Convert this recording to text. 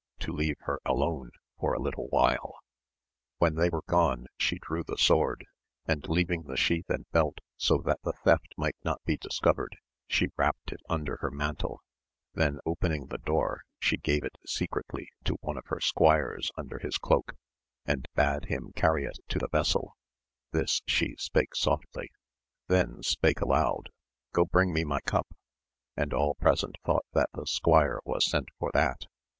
To leave her alone* for a little while ; when they were gone she drew the sword, and leaving the sheath and belt so that the theft might not be discovered, she wrapt it under her mantle ; then* opening the door she gave it secretly to one of her squires under his cloak, and bade him carry it to the vessel — this she spake softly ; then spake aloud, Go bring me my cup ! and all present thought that the squire was sent for that.